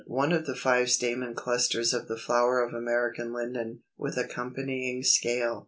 One of the five stamen clusters of the flower of American Linden, with accompanying scale.